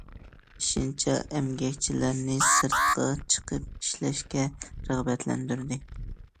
ئېشىنچا ئەمگەكچىلەرنى سىرتقا چىقىپ ئىشلەشكە رىغبەتلەندۈردى.